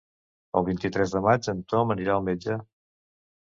El vint-i-tres de maig en Ton anirà al metge.